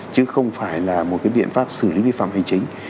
chứ không phải là một cái biện pháp xử lý vi phạm hành chính